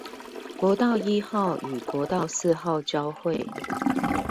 國道一號與國道四號交會